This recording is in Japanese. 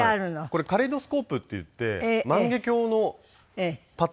これカレイドスコープっていって万華鏡のパターンなんですけど。